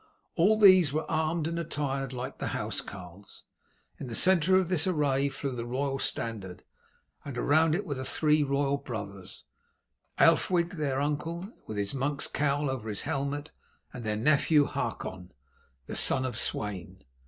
All these were armed and attired like the housecarls. In the centre of this array flew the royal standard, and around it were the three royal brothers, Aelfwig their uncle, with his monk's cowl over his helmet, and their nephew, Hakon, the son of Sweyn.